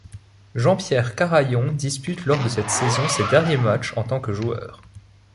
Jean-Pierre Carayon dispute lors de cette saison ses derniers matchs en tant que joueur.